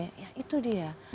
ya itu dia